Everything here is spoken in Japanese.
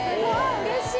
うれしい。